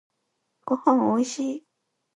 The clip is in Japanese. ごはんおいしい